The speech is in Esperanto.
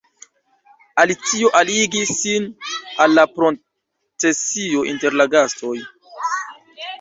Alicio aligis sin al la procesio inter la gastoj.